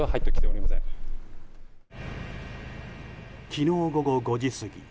昨日午後５時過ぎ